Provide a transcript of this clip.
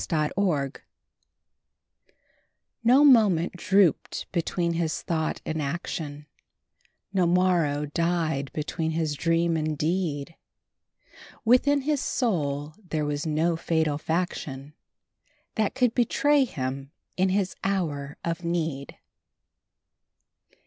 THE MAN OF MIGHT No moment drooped between his thought and action, No morrow died between his dream and deed. Within his soul there was no fatal faction That could betray him in his hour of need.